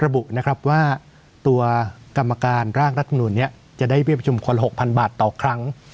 ระบุนะครับว่าตัวกรรมการร่างรัฐมนุนนี้จะได้เบี้ประชุมคน๖๐๐บาทต่อครั้ง